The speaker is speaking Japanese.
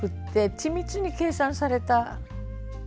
緻密に計算された人形。